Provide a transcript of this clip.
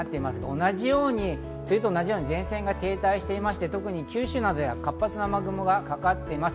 同じように梅雨と同じように前線が停滞していまして、九州などでは活発な雨雲がかかっています。